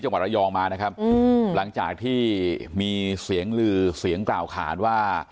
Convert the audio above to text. จังหวัดระยองมานะครับอืมหลังจากที่มีเสียงลือเสียงกล่าวขานว่า